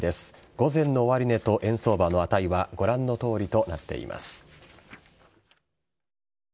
午前の終値と円相場の値はご覧のとおりとなっています。